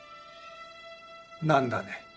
何だね